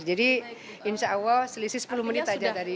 jadi insya allah selisih sepuluh menit saja